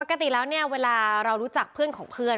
ปกติแล้วเนี่ยเวลาเรารู้จักเพื่อนของเพื่อน